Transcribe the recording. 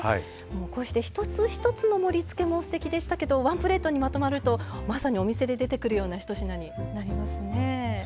こうして一つ一つの盛りつけもすてきでしたけどワンプレートにまとまるとまさにお店で出てくるようなひと品になりますよね。